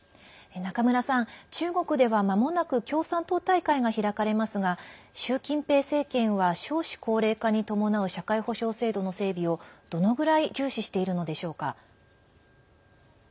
中村さん、中国ではまもなく共産党大会が開かれますが習近平政権は少子高齢化に伴う社会保障制度の整備をどのぐらい重視しているのでしょうか？